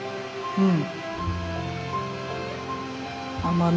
うん。